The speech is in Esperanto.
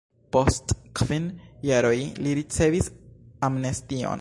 Post kvin jaroj li ricevis amnestion.